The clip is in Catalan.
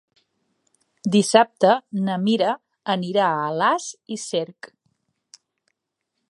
Dissabte na Mira anirà a Alàs i Cerc.